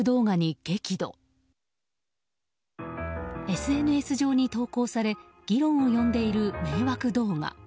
ＳＮＳ上に投稿され議論を呼んでいる迷惑動画。